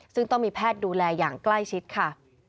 ซึ่งต้องมีแพทย์ดูแลอย่างใกล้ชิดค่ะ